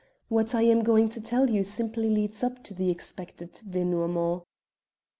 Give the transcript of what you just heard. What I am going to tell you simply leads up to the expected denouement."